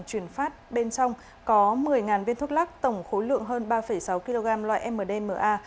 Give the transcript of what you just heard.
chuyển phát bên trong có một mươi viên thuốc lắc tổng khối lượng hơn ba sáu kg loại mdma